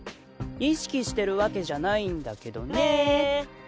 意識してるわけじゃないんだけど。ね！